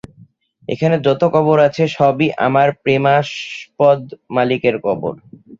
এখানে যত কবর আছে সবই আমার প্রেমাস্পদ মালিকের কবর।